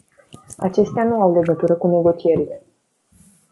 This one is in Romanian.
Acestea nu au legătură cu negocierile.